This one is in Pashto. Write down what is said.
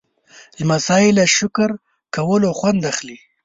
لمسی له شکر کولو خوند اخلي.